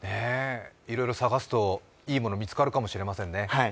いろいろ探すと、いいものが見つかるかもしれませんね。